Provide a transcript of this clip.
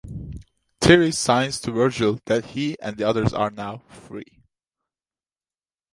Teri signs to Virgil that he and the others are now "free".